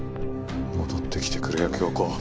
戻ってきてくれよ響子なあ！